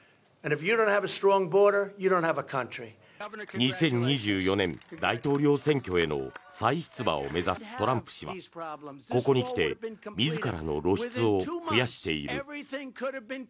２０２４年、大統領選挙への再出馬を目指すトランプ氏はここに来て自らの露出を増やしている。